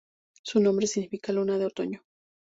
Su nombre significa "Luna de otoño".